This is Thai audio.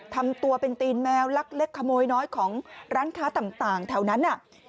ทำตัวเป็นตีนแมวลักเล็กขโมยน้อยของร้านค้าต่างแถวนั้นน่ะ